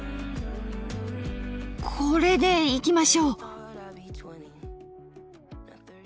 これでいきましょう。